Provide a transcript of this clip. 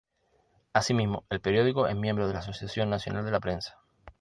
Asimismo, el periódico es miembro de la Asociación Nacional de la Prensa.